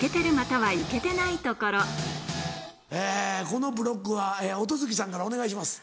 このブロックは音月さんからお願いします。